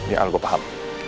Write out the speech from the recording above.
ya gue paham